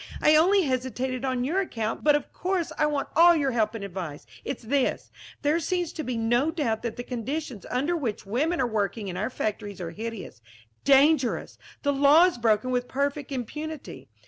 "I only hesitated on your account, but of course I want all your help and advice. It's this: There seems to be no doubt that the conditions under which women are working in our factories are hideous dangerous the law is broken with perfect impunity.